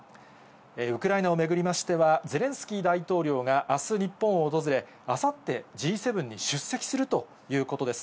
ウクライナを巡りましては、ゼレンスキー大統領があす日本を訪れ、あさって、Ｇ７に出席するということです。